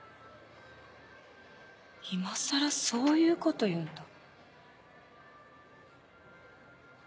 今更そういうこと言うんだ。